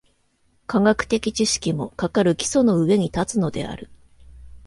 科学的知識も、かかる基礎の上に立つのである。